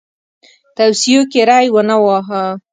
توصیو کې ری ونه واهه.